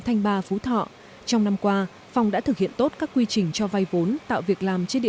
thanh ba phú thọ trong năm qua phòng đã thực hiện tốt các quy trình cho vay vốn tạo việc làm trên địa